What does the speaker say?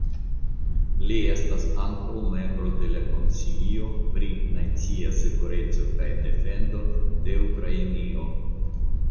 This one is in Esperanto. Li estas ankaŭ membro de la Konsilio pri nacia sekureco kaj defendo de Ukrainio.